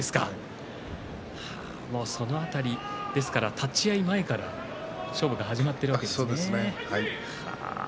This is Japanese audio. その辺り立ち合いの前から勝負は始まっているんですね。